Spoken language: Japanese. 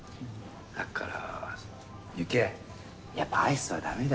だからユキエやっぱアイスはダメだ。